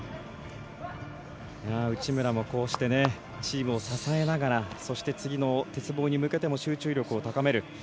内村もこうしてチームを支えながらそして、次の鉄棒に向けての集中力を高める。